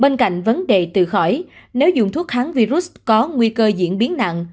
bên cạnh vấn đề từ khỏi nếu dùng thuốc kháng virus có nguy cơ diễn biến nặng